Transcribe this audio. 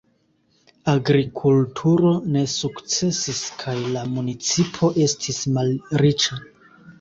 Agrikulturo ne sukcesis kaj la municipo estis malriĉa.